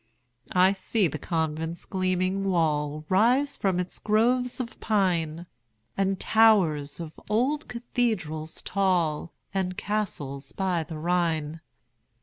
I see the convent's gleaming wall Rise from its groves of pine, And towers of old cathedrals tall, And castles by the Rhine.